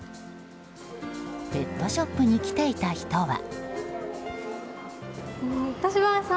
ペットショップに来ていた人は。